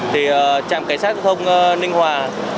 thì trạm cảnh sát giao thông ninh hòa